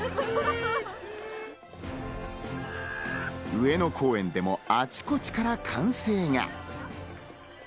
上野公園でもあちこちから歓声が。